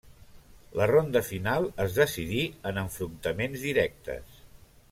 La ronda final es decidí en enfrontaments directes.